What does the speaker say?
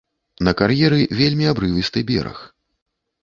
На кар'еры вельмі абрывісты бераг.